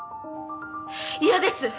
嫌です